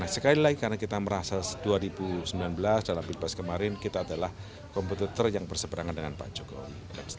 sekali lagi karena kita merasa dua ribu sembilan belas dalam bebas kemarin kita adalah komputer yang berseberangan dengan pak jokowi